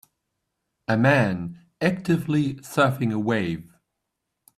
A man actively surfing a wave.